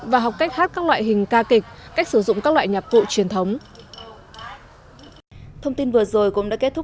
và học cách hát các loại hình ca kịch